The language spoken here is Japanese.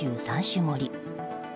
３種盛り